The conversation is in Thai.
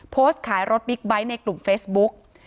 โพสต์ขายรถบิ๊กไบท์ในกลุ่มเฟซบุ๊ก